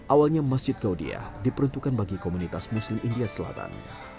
awalnya masjid gaudiah diperuntukkan bagi komunitas muslim india selatan